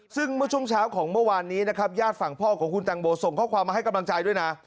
ซึ่งเมื่อช่วงเช้าของเมื่อวานนี้นะครับญาติฝั่งพ่อของคุณตังโมส่งข้อความมาให้กำลังใจด้วยนะ